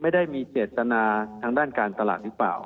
ไม่ได้มีเจตนาทางด้านการตลาดหรือเปล่า